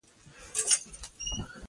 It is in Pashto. په سوله ییزه توګه د اختلافونو حل کول.